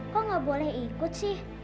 kok nggak boleh ikut sih